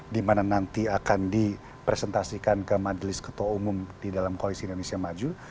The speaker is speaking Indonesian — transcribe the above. di mana nanti akan dipresentasikan ke majelis ketua umum di dalam koalisi indonesia maju